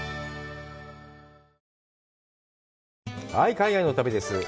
海外の旅です。